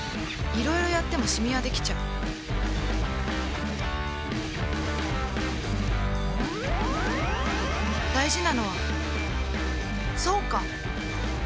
いろいろやってもシミはできちゃう大事なのはそうか！